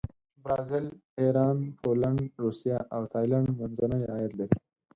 برازیل، ایران، پولینډ، روسیه او تایلنډ منځني عاید لري.